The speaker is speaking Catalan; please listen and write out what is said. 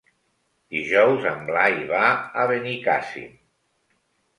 Dijous en Blai va a Benicàssim.